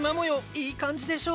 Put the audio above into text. いい感じでしょ？